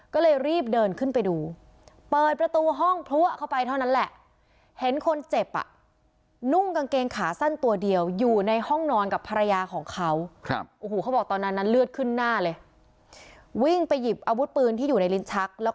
ก็เลยรีบเดินขึ้นไปดูเปิดประตูห้องพลั่วเข้าไปเท่านั้นแหละ